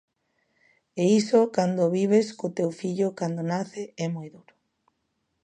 E iso, cando o vives co teu fillo cando nace, é moi duro.